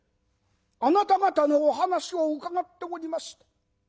あなた方のお話を伺っておりまして